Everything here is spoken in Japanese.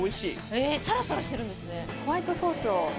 へぇサラサラしてるんですね。